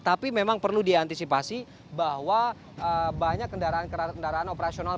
tapi memang perlu diantisipasi bahwa banyak kendaraan kendaraan operasional